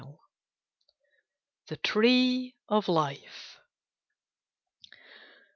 THE TREE OF LIFE.